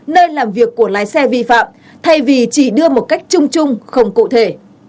nơi làm việc của lái xe vi phạm thay vì chỉ đưa một cách chung chung không cụ thể